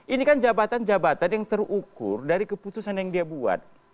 ini kan jabatan jabatan yang terukur dari keputusan yang dia buat